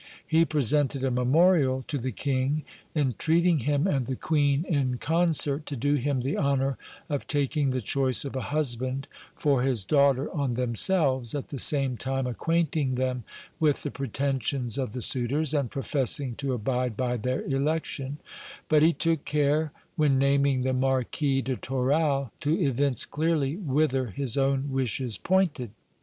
He presented a memorial to the king, entreating him and the queen in concert, to do him the honour of taking the choice of a husband for his daughter on themselves, at the same time acquainting them with the pretensions of the suitors, and professing to abide by their election ; but he took care, when naming the Marquis de Toral, to evince clearly whither his own wishes pointed.